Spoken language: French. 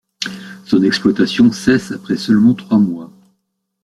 Son exploitation cesse après seulement trois mois.